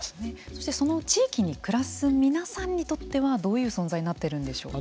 そして、その地域に暮らす皆さんにとってはどういう存在になっているんでしょう。